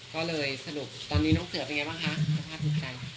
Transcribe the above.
ก็เลยสรุปตอนนี้น้องเสือเป็นไงบ้างคะสภาพภูมิใจ